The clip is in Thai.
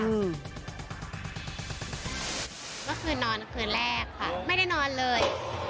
ก็คือนอนคืนแรกค่ะไม่ได้นอนเลย